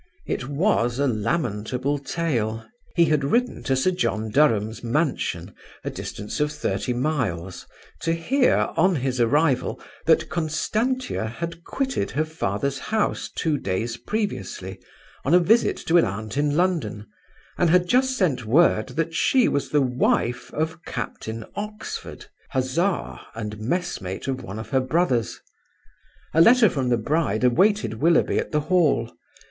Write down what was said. It was a lamentable tale. He had ridden to Sir John Durham's mansion, a distance of thirty miles, to hear, on his arrival, that Constantia had quitted her father's house two days previously on a visit to an aunt in London, and had just sent word that she was the wife of Captain Oxford, hussar, and messmate of one of her brothers. A letter from the bride awaited Willoughby at the Hall.